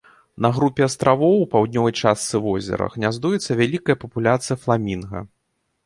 На групе астравоў у паўднёвай частцы возера гняздуецца вялікая папуляцыя фламінга.